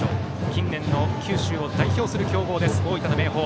近年の九州を代表する強豪です、大分の明豊。